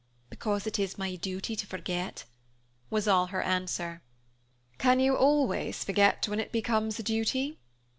"Because it is my duty to forget" was all her answer. "Can you always forget when it becomes a duty?"